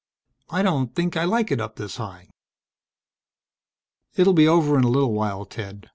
I don't think I like it up this high." "It will be over in a little while, Ted.